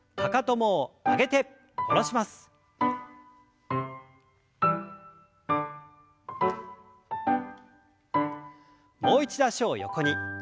もう一度脚を横に。